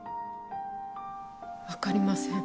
分かりません。